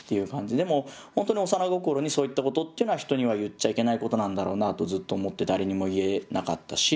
でも本当に幼心にそういったことっていうのは人には言っちゃいけないことなんだろうなとずっと思って誰にも言えなかったし。